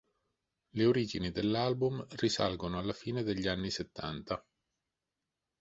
Le origini dell'album risalgono alla fine degli anni settanta.